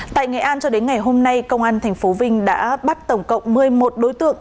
tại nghệ an cho đến ngày hôm nay công an tp vinh đã bắt tổng cộng một mươi một đối tượng